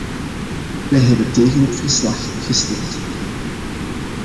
Wij hebben tegen het verslag gestemd.